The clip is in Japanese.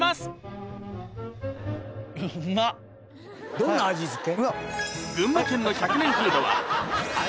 どんな味付け？